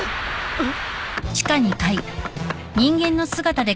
あっ！？